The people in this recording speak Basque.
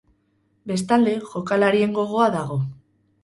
Bestalde, jokalarien gogoa dago.